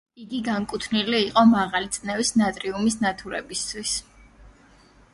იგი განკუთვნილი იყო მაღალი წნევის ნატრიუმის ნათურებისთვის.